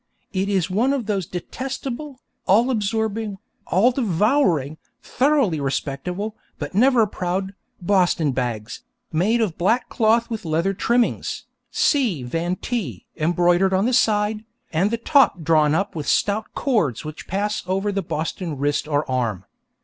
It is one of those detestable, all absorbing, all devouring, thoroughly respectable, but never proud, Boston bags, made of black cloth with leather trimmings, 'C. Van T.' embroidered on the side, and the top drawn up with stout cords which pass over the Boston wrist or arm.